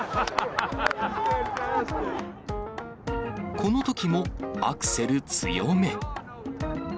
このときもアクセル強め。